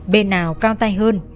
bên nào cao tay hơn